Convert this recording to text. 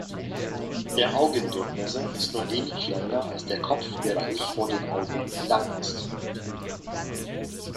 Der Augendurchmesser ist nur wenig kleiner als der Kopfbereich vor den Augen lang ist.